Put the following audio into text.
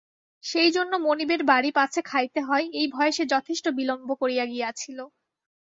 সেইজন্য মনিবের বাড়ি পাছে খাইতে হয় এই ভয়ে সে যথেষ্ট বিলম্ব করিয়া গিয়াছিল।